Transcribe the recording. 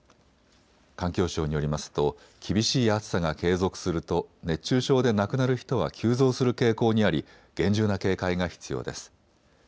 環境省によりますと厳しい暑さが継続すると熱中症で亡くなる人は急増する傾向にあり厳重な警戒が必要です。